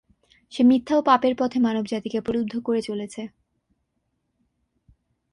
সে মিথ্যা ও পাপের পথে মানবজাতিকে প্রলুব্ধ করে চলেছে।